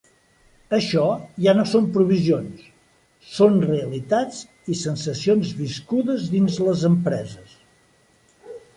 Això ja no són previsions, són realitats i sensacions viscudes dins les empreses.